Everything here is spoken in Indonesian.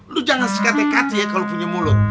lu jangan sikat dekat si ya kalo punya mulut